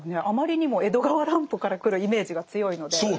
あまりにも江戸川乱歩からくるイメージが強いので。